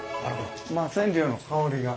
まあ染料の香りが。